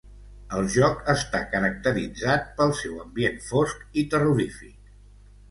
El joc està caracteritzat pel seu ambient fosc i terrorífic.